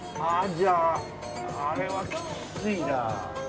じゃああれはきついな。